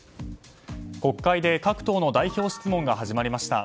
国会で各党の代表質問が始まりました。